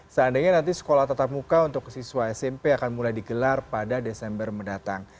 seandainya nanti sekolah tetap muka untuk siswa smp akan mulai digelar pada desember mendatang